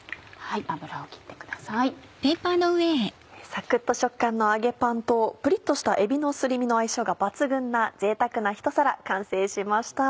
サクっと食感の揚げパンとプリっとしたえびのすり身の相性が抜群なぜいたくなひと皿完成しました。